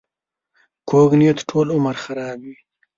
کوږ نیت ټول عمر خرابوي